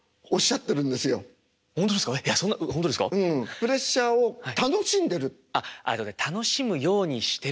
プレッシャーを楽しんでる。